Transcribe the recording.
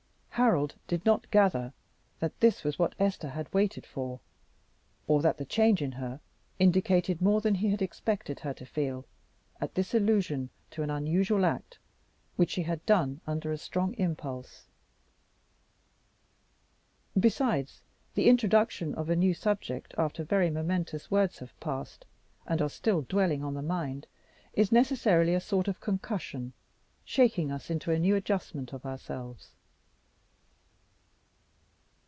Harold did not gather that this was what Esther had waited for, or that the change in her indicated more than he had expected her to feel at this allusion to an unusual act which she had done under a strong impulse. Besides the introduction of a new subject after very momentous words have passed, and are still dwelling on the mind, is necessarily a sort of concussion, shaking us into a new adjustment of ourselves.